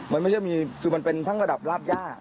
มันไม่ใช่มีคือมันเป็นทั้งระดับราบย่า